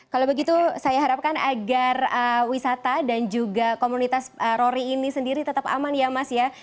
kalau begitu saya harapkan agar wisata dan juga komunitas rory ini sendiri tetap aman ya mas ya